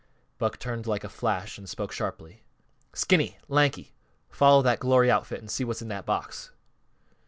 Buck turned like a flash and spoke sharply: "Skinny! Lanky! Follow that glory outfit, an' see what's in that box!"